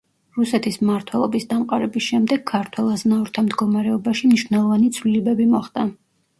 რუსეთის მმართველობის დამყარების შემდეგ ქართველ აზნაურთა მდგომარეობაში მნიშვნელოვანი ცვლილებები მოხდა.